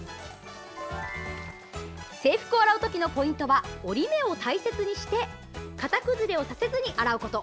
制服を洗う時のポイントは折り目を大切にして型崩れをさせずに洗うこと。